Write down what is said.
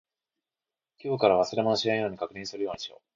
今日から忘れ物をしないように確認するようにしよう。